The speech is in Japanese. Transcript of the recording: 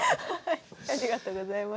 ありがとうございます。